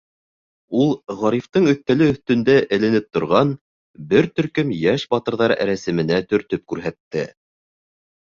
Ул Ғарифтың өҫтәле өҫтөндә эленеп торған бер төркөм йәш батырҙар рәсеменә төртөп күрһәтте.